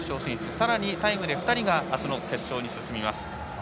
さらにタイムで２人があすの決勝に進みます。